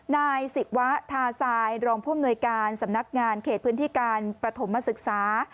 นายศิวะทาซายรองผู้อำนวยการสำนักงานเขตพื้นที่การประถมศึกษา